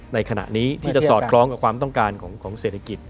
ในขณะนี้ที่จะสอดคล้องกับความต้องการของเศรษฐกิจ